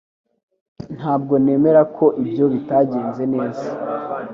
Ntabwo nemera ko ibyo bitagenze neza